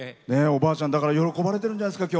おばあちゃん喜ばれてるんじゃないですか。